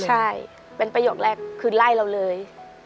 ใช่เป็นประโยคแรกคือไล่เราเลย